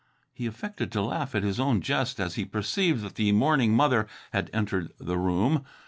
He affected to laugh at his own jest as he perceived that the mourning mother had entered the room.